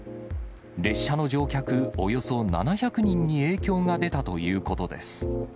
列車の乗客およそ７００人に影響が出たということです。